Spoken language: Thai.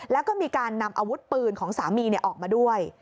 แล้วก็มีการนำอาวุธปืนของสามีออกมาด้วย